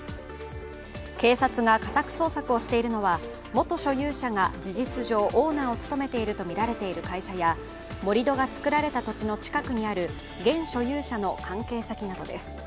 警察が家宅捜索をしているのは元所有者が事実上オーナーを務めているとされているとみられている会社や盛り土が作られた土地の近くにある、現所有者の関係先などです。